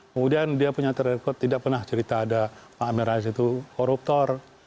kemudian dia punya terdekat tidak pernah cerita ada amin rais itu koruptor